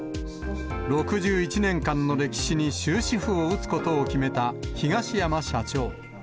６１年間の歴史に終止符を打つことを決めた東山社長。